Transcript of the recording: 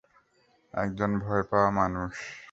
একজন ভয় পাওয়া মানুষ।